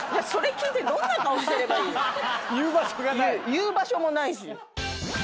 言う場所もないし。